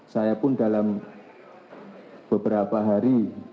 saya pun dalam beberapa hari